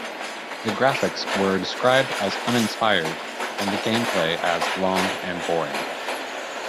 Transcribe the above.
The graphics were described as "uninspired" and the gameplay as "long and boring".